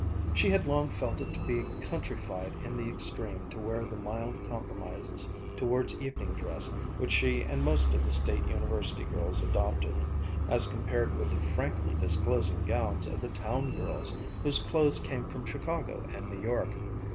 She had long felt it to be countrified in the extreme to wear the mild compromises towards evening dress which she and most of the State University girls adopted, as compared with the frankly disclosing gowns of the "town girls" whose clothes came from Chicago and New York.